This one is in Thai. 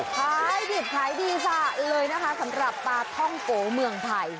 ขายดิบขายดีสะเลยนะคะสำหรับปลาท่องโกเมืองไทย